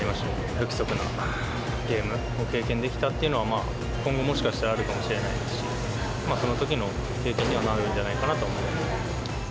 不規則なゲームを経験できたっていうのは、今後もしかしたらあるかもしれないですし、そのときの経験にはなるんじゃないかなと思う。